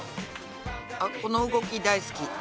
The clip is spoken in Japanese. あっこの動き大好き。